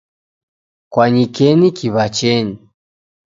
Kwanyikenyi kiw'achenyi